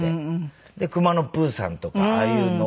『クマのプーさん』とかああいうのを。